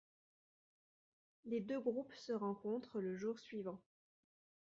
Les deux groupes se rencontrent le jour suivant.